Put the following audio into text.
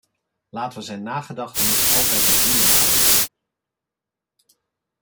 Laten wij zijn nagedachtenis altijd in ere houden.